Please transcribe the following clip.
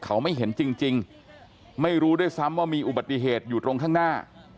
เขาไม่เห็นจริงไม่รู้ด้วยซ้ำว่ามีอุบัติเหตุอยู่ตรงข้างหน้า